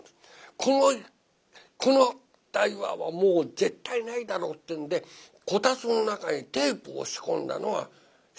このこの対話はもう絶対ないだろうっていうんでこたつの中へテープを仕込んだのが志ん五でございまして。